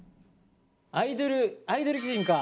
アイドルアイドル擬人化虎。